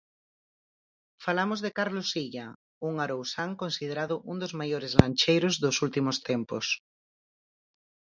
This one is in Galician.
Falamos de Carlos Silla, un arousán considerado un dos maiores lancheiros dos últimos tempos.